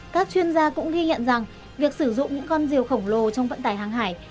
các chuyên gia cũng ghi nhận rằng việc sử dụng những con diều khổng lồ trong vận tải hàng hải